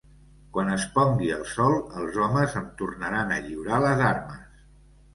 Quan es pongui el sol, els homes em tornaran a lliurar les armes.